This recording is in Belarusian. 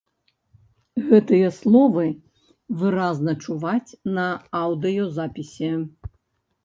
Гэтыя словы выразна чуваць на аўдыёзапісе.